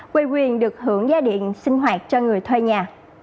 quầy quyền được hưởng giá điện sinh hoạt cho người thuê nhà